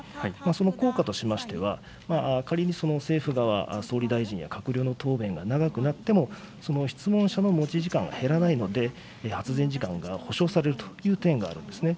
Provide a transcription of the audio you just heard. その効果としましては、仮にその政府側、総理大臣や閣僚の答弁が長くなっても、質問者の持ち時間は減らないので、発言時間が保証されるという点があるんですね。